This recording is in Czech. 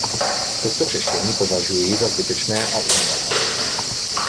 Toto řešení považuji za zbytečné a umělé.